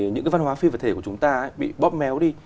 những cái văn hóa phi vật thể của chúng ta bị bóp méo đi